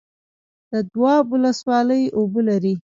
د دواب ولسوالۍ اوبه لري